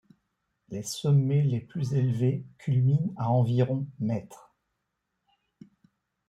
Les sommets les plus élevés culminent à environ mètres.